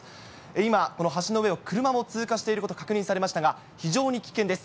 今、この橋の上を車も通過していること、確認されましたが、非常に危険です。